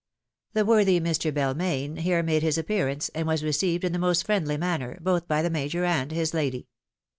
The worthy Mr. Belmaine here made his appearance, and was received in the most friendly manner, both by the Major and his lady.